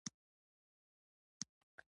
ما ویل: کومي سترګي ؟